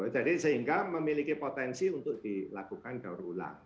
jadi sehingga memiliki potensi untuk dilakukan daur ulang